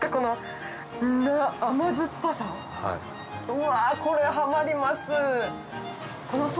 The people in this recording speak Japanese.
うわこれハマります。